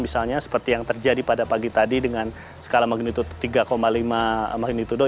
misalnya seperti yang terjadi pada pagi tadi dengan skala magnitude tiga lima magnitudo